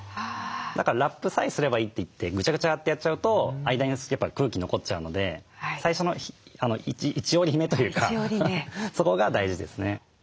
だからラップさえすればいいといってぐちゃぐちゃってやっちゃうと間に空気残っちゃうので最初の一折り目というかそこが大事ですね。